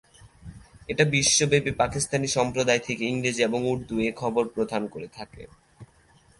এটা বিশ্বব্যাপী পাকিস্তানি সম্প্রদায় থেকে ইংরেজি এবং উর্দু এ খবর প্রদান করে থাকে।